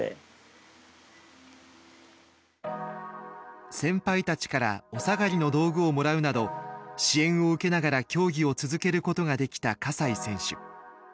でも先輩たちからお下がりの道具をもらうなど支援を受けながら競技を続けることができた西選手。